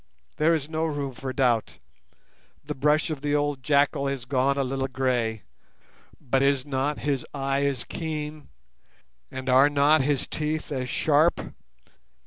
There is no room for doubt. The brush of the old jackal has gone a little grey; but is not his eye as keen, and are not his teeth as sharp?